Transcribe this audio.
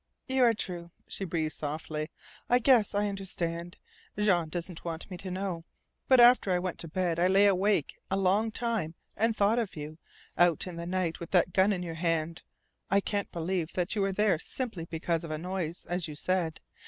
"You are true," she breathed softly. "I guess I understand. Jean doesn't want me to know. But after I went to bed I lay awake a long time and thought of you out in the night with that gun in your hand. I can't believe that you were there simply because of a noise, as you said.